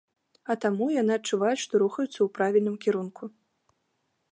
А таму яны адчуваюць, што рухаюцца ў правільным кірунку.